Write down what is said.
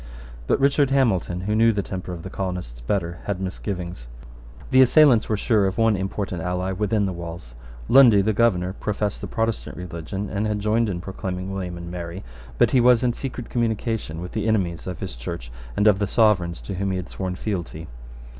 But Richard Hamilton, who knew the temper of the colonists better, had misgivings. The assailants were sure of one important ally within the walls. Lundy, the Governor, professed the Protestant religion, and had joined in proclaiming William and Mary; but he was in secret communication with the enemies of his Church and of the Sovereigns to whom he had sworn lealty.